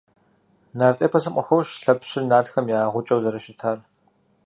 Нарт эпосым къыхощ Лъэпщыр нартхэ я гъукӀэу зэрыщытат.